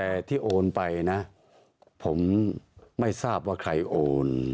แต่ที่โอนไปนะผมไม่ทราบว่าใครโอน